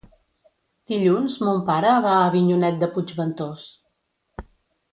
Dilluns mon pare va a Avinyonet de Puigventós.